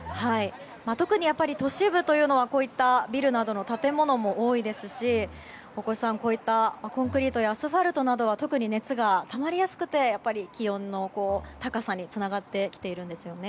特に都市部というのはビルなどの建物も多いですし大越さん、コンクリートやアスファルトなどは特に熱がたまりやすくてやっぱり気温の高さにつながってきているんですよね。